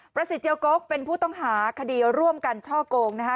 สิทเจียวกกเป็นผู้ต้องหาคดีร่วมกันช่อกงนะคะ